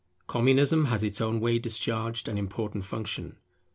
Communism has in its own way discharged an important function.